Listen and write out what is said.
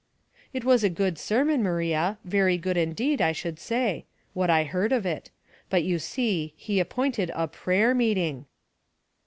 *' It was a good sermon, Maria ; very good in deed, I should say — what I heard of it; but you see he appointed a j9ra?/er meeting."